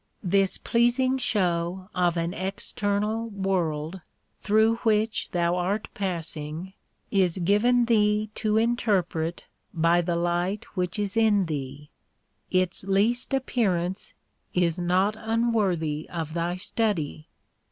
This pleasing show of an external world through which thou art passing is given thee to interpret by the light which is in thee. Its least appearance is not unworthy of thy study.